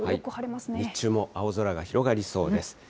日中も青空が広がりそうです。